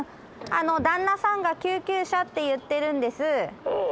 旦那さんが救急車って言ってるんです。